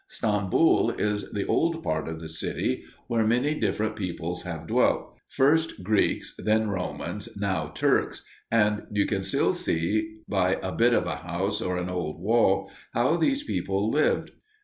Stamboul is the old part of the city, where many different peoples have dwelt first Greeks, then Romans, now Turks, and you can still see by a bit of a house or an old wall how these people lived.